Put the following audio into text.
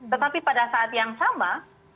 tetapi pada saat yang sama